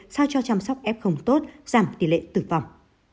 sao cho chăm sóc f tốt giảm tỷ lệ tử vong